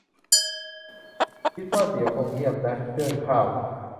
คิดว่าเดี๋ยวคงเงียบนะ เรื่องข้าว